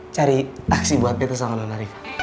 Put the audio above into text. cari aksi buat bete sama nana rifqi